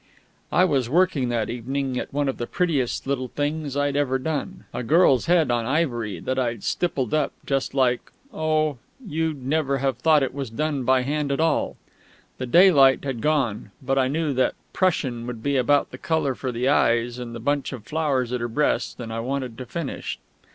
I was working that evening at one of the prettiest little things I'd ever done: a girl's head on ivory, that I'd stippled up just like ... oh, you'd never have thought it was done by hand at all. The daylight had gone, but I knew that "Prussian" would be about the colour for the eyes and the bunch of flowers at her breast, and I wanted to finish.